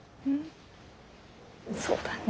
そうだね。